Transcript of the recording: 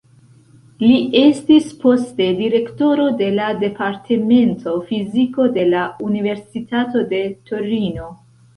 Li estis poste direktoro de la Departemento Fiziko de la Universitato de Torino.